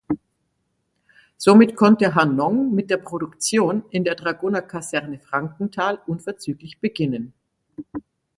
Somit konnte Hannong mit der Produktion in der Dragonerkaserne Frankenthal unverzüglich beginnen.